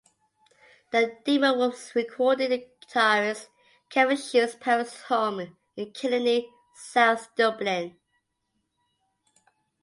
The demo was recorded in guitarist Kevin Shields' parents' home in Killiney, South Dublin.